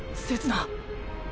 せつな！